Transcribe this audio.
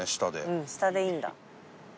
うん下でいいんだ。